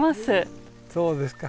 そうですか。